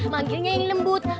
manggilnya yang lembut